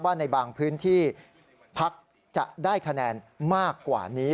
ในบางพื้นที่พักจะได้คะแนนมากกว่านี้